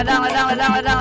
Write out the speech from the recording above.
redang redang redang redang